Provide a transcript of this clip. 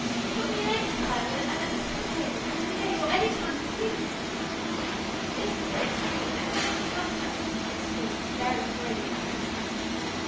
Put me in 'exile' and at the 'side table,' for three days, or any time you please!" This was an extreme penalty, sometimes used in school for very grave offences.